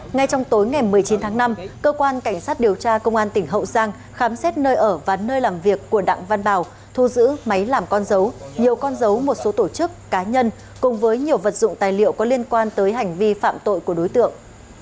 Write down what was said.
ngay trong tối ngày một mươi chín tháng năm cơ quan cảnh sát điều tra công an tỉnh hậu giang khám xét nơi ở và nơi làm việc của đặng văn bảo thu giữ máy làm con dấu nhiều con dấu một số tổ chức cá nhân cùng với nhiều vật dụng tài liệu có liên quan tới hành vi phạm tội của đối tượng